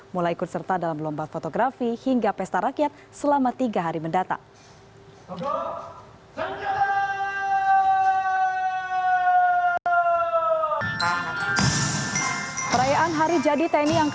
mulai ikut serta dalam lomba fotografi hingga pesta rakyat selama tiga hari mendatang